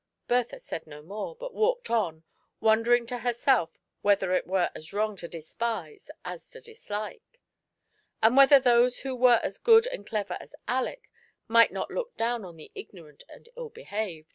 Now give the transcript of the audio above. Bertha said no more, but walked on, wondering to her self whether it were as wrong to despise as to dislike ; and whether those who were as good and clever as Aleck might not look down on the ignorant and ill behaved.